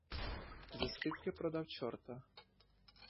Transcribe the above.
За скільки продав чорта?